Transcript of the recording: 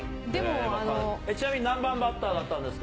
ちなみに何番バッターだったんですか？